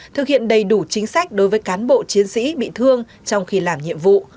thực hiện đầy đủ chính sách đối với cán bộ chiến sĩ bị thương trong khi làm nhiệm vụ